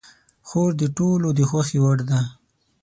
خور د ټولو د خوښې وړ ده.